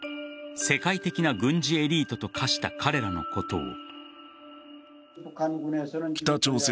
世界的な軍事エリートと化した彼らのことを。